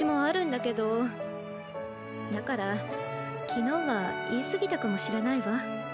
だから昨日は言い過ぎたかもしれないわ。